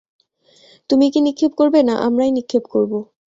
তুমিই কি নিক্ষেপ করবে, না আমরাই নিক্ষেপ করব?